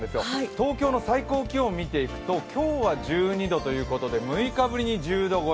東京の最高気温を見ていくと、今日は１２度ということで、６日ぶりに１０度超え。